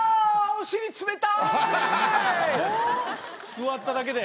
座っただけで？